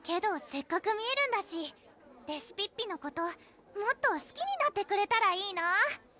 せっかく見えるんだしレシピッピのこともっとすきになってくれたらいいなぁ